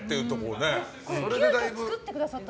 急きょ作ってくださった？